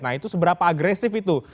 nah itu seberapa agresif itu